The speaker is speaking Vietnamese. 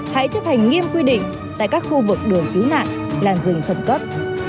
hãy chấp hành nghiêm quy định tại các khu vực đường cứu nạn làn rừng khẩn cấp